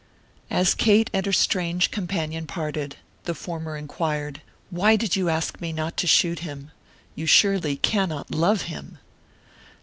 As Kate and her strange companion parted, the former inquired, "Why did you ask me not to shoot him? You surely cannot love him!"